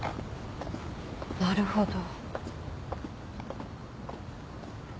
なるほど。